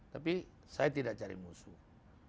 tapi saya tidak cari musuh